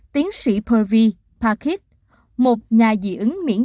tiến sĩ purvi pakit một nhà dị ứng miễn phí